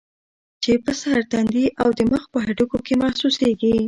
چې پۀ سر ، تندي او د مخ پۀ هډوکو کې محسوسيږي